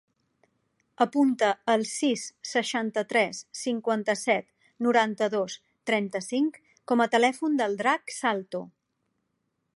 Apunta el sis, seixanta-tres, cinquanta-set, noranta-dos, trenta-cinc com a telèfon del Drac Salto.